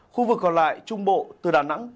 khu vực còn lại trung bộ từ đà nẵng